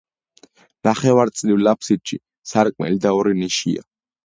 ნახევარწრიულ აფსიდში სარკმელი და ორი ნიშია.